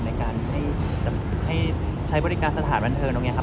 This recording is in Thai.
ในการให้ใช้บริการสถานบันเทิงตรงนี้ครับ